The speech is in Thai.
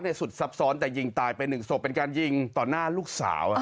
สุดซับซ้อนแต่ยิงตายไปหนึ่งศพเป็นการยิงต่อหน้าลูกสาว